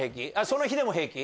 その日でも平気？